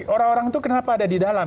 orang orang itu kenapa ada di dalam